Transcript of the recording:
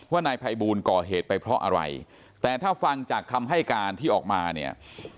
นายภัยบูลก่อเหตุไปเพราะอะไรแต่ถ้าฟังจากคำให้การที่ออกมาเนี่ย